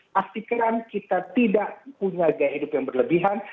pastikan kita tidak punya gaya hidup yang berlebihan